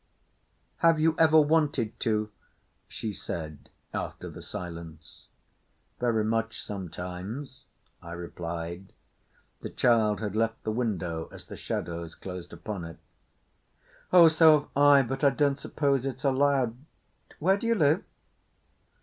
"Have you ever wanted to?" she said after the silence. "Very much sometimes," I replied. The child had left the window as the shadows closed upon it. "Ah! So've I, but I don't suppose it's allowed. … Where d'you live?"